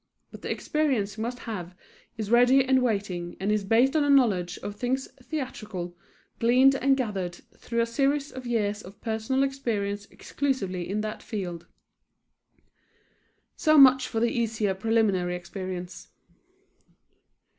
But the experience you must have is ready and waiting, and is based on a knowledge of things theatrical, gleaned and gathered through a series of years of personal experience exclusively in that field. So much for the easier preliminary experience.